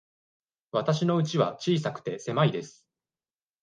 わたしのうちは小さくて、狭いです。